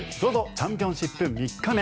チャンピオンシップ３日目。